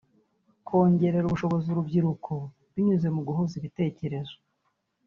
“Kongerera ubushobozi urubyiruko binyuze mu guhuza ibitekerezo